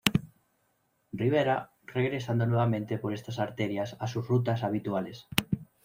Rivera, regresando nuevamente por estas arterias a sus rutas habituales.